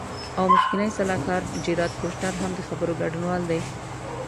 او مخکینی سلاکار جیراد کوشنر هم د خبرو ګډونوال دی.